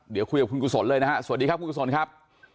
เดี๋ยวคุยกับคุณกุศลเลยนะฮะสวัสดีครับคุณกุศลครับ